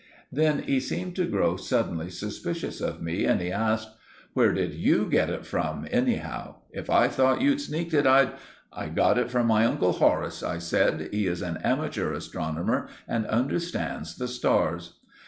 Then he seemed to grow suddenly suspicious of me and he asked— "Where did you get it from anyhow? If I thought you'd sneaked it, I'd——" "I got it from my Uncle Horace," I said. "He is an amateur astronomer and understands the stars."